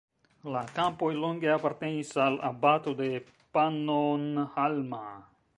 La kampoj longe apartenis al abato de Pannonhalma.